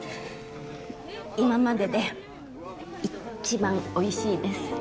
今までで一番おいしいです